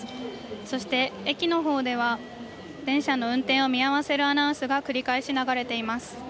そして、駅の方では、電車の運転を見合わせるアナウンスが繰り返し流れています。